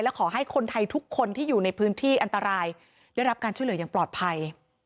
ขอให้คนไทยทุกคนที่อยู่ในพื้นที่อันตรายได้รับการช่วยเหลืออย่างปลอดภัย